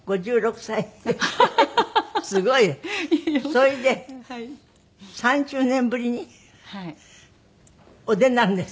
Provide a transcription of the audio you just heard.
それで３０年ぶりにお出になるんです？